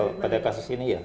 pada kasus ini ya